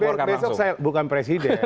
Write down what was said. besok saya bukan presiden